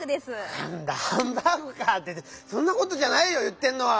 なんだハンバーグか！ってそんなことじゃないよいってんのは！